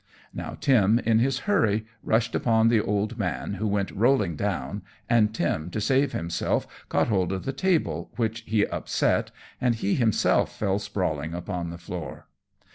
Now Tim, in his hurry, rushed upon the old man, who went rolling down, and Tim, to save himself, caught hold of the table, which he upset, and he himself fell sprawling upon the floor.